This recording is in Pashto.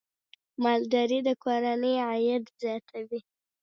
مالداري د کورنیو عاید زیاتوي.